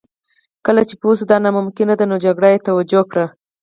کله چې پوه شو دا ناممکنه ده نو جګړه یې توجیه کړه